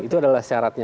itu adalah syaratnya